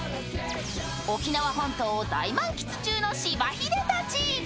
沖縄本島を大満喫中のしばひでたち。